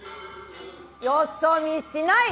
よそ見しない！